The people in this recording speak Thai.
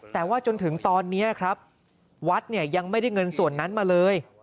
แต่ว่าจนถึงตอนนี้ครับวัดเนี่ยยังไม่ได้เงินส่วนนั้นมาเลย